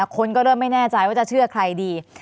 คนก็เริ่มไม่แน่ใจว่าจะเชื่อใครดี